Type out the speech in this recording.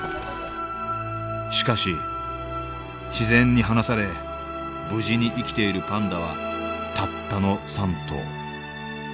しかし自然に放され無事に生きているパンダはたったの３頭。